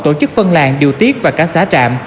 tổ chức phân làng điều tiết và cả xã trạm